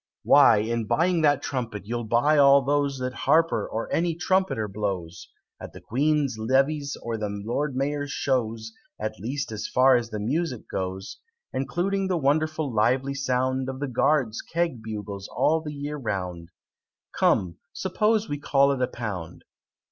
Why, in buying that Trumpet you buy all those That Harper, or any trumpeter, blows At the Queen's Levees or the Lord Mayor's Shows, At least as far as the music goes, Including the wonderful lively sound, Of the Guards' keg bugles all the year round: Come suppose we call it a pound!